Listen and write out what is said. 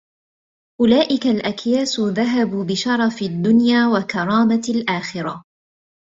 أُولَئِكَ الْأَكْيَاسُ ذَهَبُوا بِشَرَفِ الدُّنْيَا وَكَرَامَةِ الْآخِرَةِ